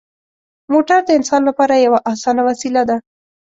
موټر د انسان لپاره یوه اسانه وسیله ده.